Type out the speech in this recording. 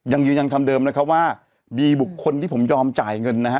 ยังยืนยันคำเดิมนะครับว่ามีบุคคลที่ผมยอมจ่ายเงินนะฮะ